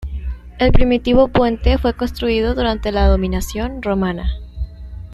El primitivo puente fue construido durante la dominación romana.